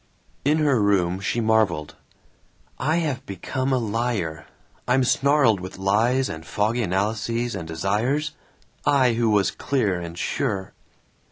In her room she marveled, "I have become a liar. I'm snarled with lies and foggy analyses and desires I who was clear and sure."